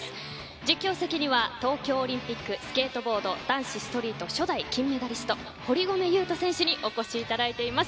実況席には東京オリンピックスケートボード男子ストリート初代金メダリスト堀米雄斗選手にお越しいただいております。